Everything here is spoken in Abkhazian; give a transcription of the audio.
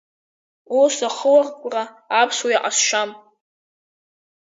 Ус ахыларҟәра аԥсуа иҟазшьам.